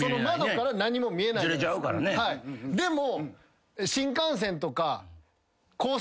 でも。